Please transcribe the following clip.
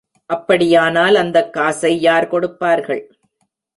அப்படியானால் அந்தக் காசை யார் கொடுப்பார்கள்?